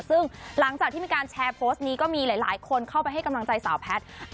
ซึ่งหลังจากที่มีการแชร์โพสต์นี้ก็มีหลายคนเข้าไปให้กำลังใจสาวแพทย์